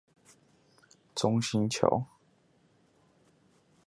中興橋